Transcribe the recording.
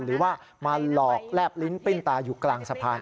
หรือว่ามาหลอกแลบลิ้นปิ้นตาอยู่กลางสะพาน